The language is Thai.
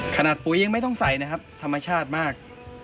ปุ๋ยยังไม่ต้องใส่นะครับธรรมชาติมาก